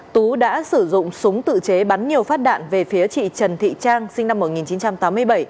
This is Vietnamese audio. tú đã sử dụng súng tự chế bắn nhiều phát đạn về phía chị trần thị trang sinh năm một nghìn chín trăm tám mươi bảy